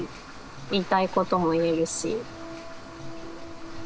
言いたいことも言えるし。